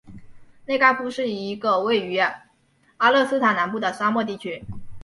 内盖夫是一个位于巴勒斯坦南部的沙漠地区。